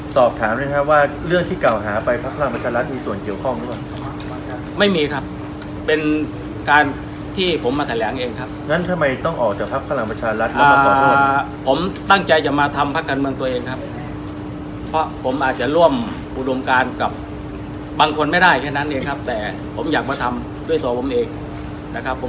สอบถามนะครับว่าเรื่องที่เก่าหาไปภักดิ์ภักดิ์ภักดิ์ภักดิ์ภักดิ์ภักดิ์ภักดิ์ภักดิ์ภักดิ์ภักดิ์ภักดิ์ภักดิ์ภักดิ์ภักดิ์ภักดิ์ภักดิ์ภักดิ์ภักดิ์ภักดิ์ภักดิ์ภักดิ์ภักดิ์ภักดิ์ภักดิ์ภักดิ์ภักดิ์ภักดิ์ภักดิ์